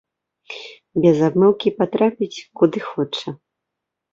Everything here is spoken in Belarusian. Без абмылкі патрапіць, куды хоча.